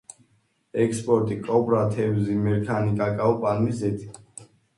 ექსპორტი: კოპრა, თევზი, მერქანი, კაკაო, პალმის ზეთი.